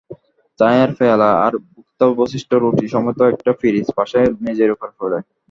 চায়ের পেয়ালা আর ভুক্তাবশিষ্ট রুটি সমেত একটা পিরিচ পাশে মেজের উপরে পড়ে।